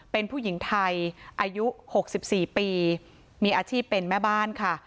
เป็นผู้หญิงไทยอายุ๖๔ปีมีอาชีพเป็นแม่บ้านค่ะ